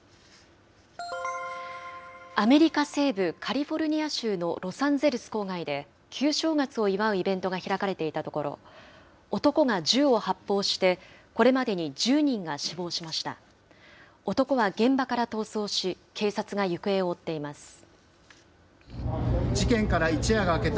アメリカ西部カリフォルニア州のロサンゼルス郊外で、旧正月を祝うイベントが開かれていたところ、男が銃を発砲してこれまでに１０人が死亡しました。